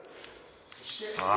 さぁ